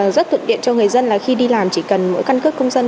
rất tượng điện cho người dân là khi đi làm chỉ cần mỗi căn cước công dân